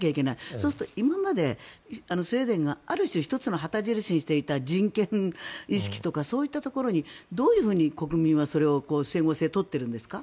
そうすると今までスウェーデンがある種、１つの旗印にしていた人権意識とかそういったところにどういうふうに国民は整合性を取っているんですか。